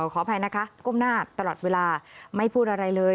ขออภัยนะคะก้มหน้าตลอดเวลาไม่พูดอะไรเลย